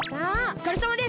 おつかれさまです！